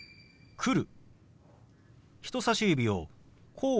「来る」。